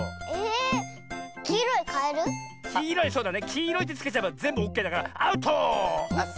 「きいろい」ってつけちゃえばぜんぶオッケーだからアウト！